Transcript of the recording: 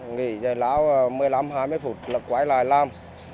nghỉ dài lão một mươi năm hai mươi phút là quay lại làm